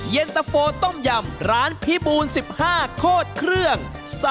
เย็นตะโฟต้มยำร้านพิบูล๑๕โคตรเครื่อง